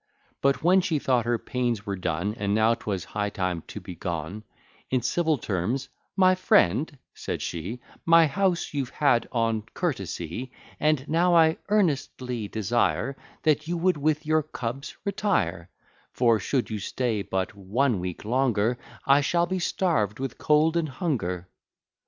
But when she thought her pains were done, And now 'twas high time to be gone, In civil terms, "My friend," said she, "My house you've had on courtesy; And now I earnestly desire, That you would with your cubs retire; For, should you stay but one week longer, I shall be starved with cold and hunger."